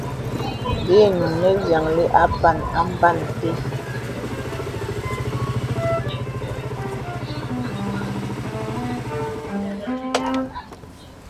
Bì nùŋ nə vyàŋli àpàŋ ampa te.